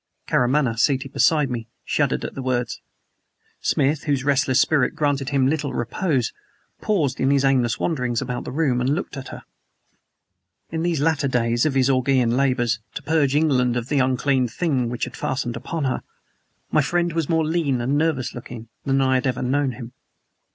Karamaneh, seated beside me, shuddered at the words. Smith, whose restless spirit granted him little repose, paused in his aimless wanderings about the room and looked at her. In these latter days of his Augean labors to purge England of the unclean thing which had fastened upon her, my friend was more lean and nervous looking than I had ever known him.